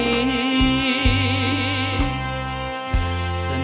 ไม่ใช้